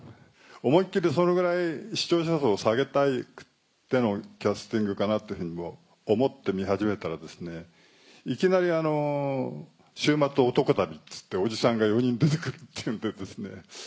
思いっ切りそのぐらい視聴者層を下げたくてのキャスティングかなっていうふうに思って見始めたらいきなり「週末男旅」っつっておじさんが４人出て来るっていうのでですね。